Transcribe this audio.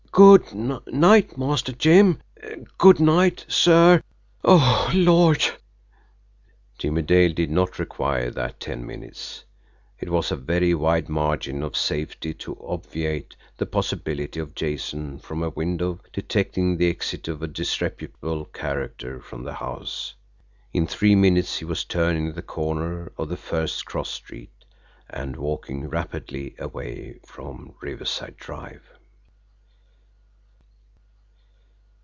"Good night, Master Jim good night, sir oh, Lord!" Jimmie Dale did not require that ten minutes; it was a very wide margin of safety to obviate the possibility of Jason, from a window, detecting the exit of a disreputable character from the house in three minutes he was turning the corner of the first cross street and walking rapidly away from Riverside Drive.